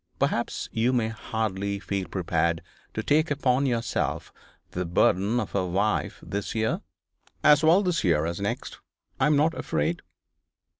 Perhaps you may hardly feel prepared to take upon yourself the burden of a wife this year.' 'As well this year as next. I am not afraid.'